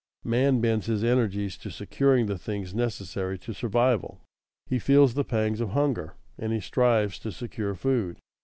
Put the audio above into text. _ Man bends his energies to securing the things necessary to survival. He feels the pangs of hunger and he strives to secure food.